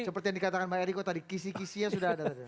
seperti yang dikatakan bang eriko tadi kisi kisinya sudah ada tadi